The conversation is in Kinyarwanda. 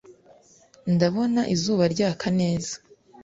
Ndabona izuba ryaka neza